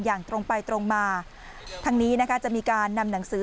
อย่างตรงไปตรงมาทางนี้นะคะจะมีการนำหนังสือ